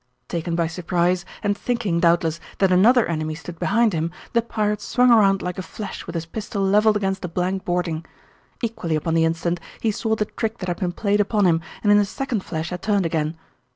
Taken by surprise, and thinking, doubtless, that another enemy stood behind him, the pirate swung around like a flash with his pistol leveled against the blank boarding. Equally upon the instant he saw the trick that had been played upon him and in a second flash had turned again.